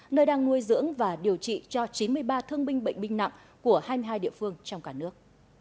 nơi đang nuôi dưỡng và điều trị cho chín mươi ba thương binh bệnh binh nặng của hai mươi hai địa phương trong cả nước